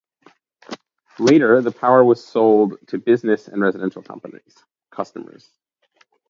Later, the power was sold to business and residential customers.